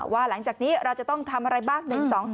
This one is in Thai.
หลังจากนี้เราจะต้องทำอะไรบ้าง๑๒๒